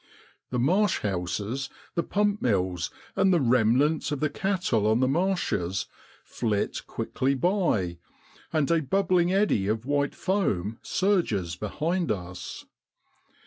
The marsh houses, the pump mills, and the remnant of the cattle on the marshes flit quickly by, and a bubbling eddy of white foam surges behind us.